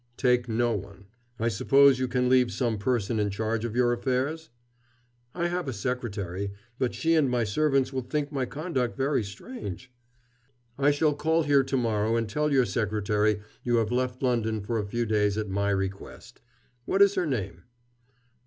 "Take no one. I suppose you can leave some person in charge of your affairs?" "I have a secretary. But she and my servants will think my conduct very strange." "I shall call here to morrow and tell your secretary you have left London for a few days at my request. What is her name?"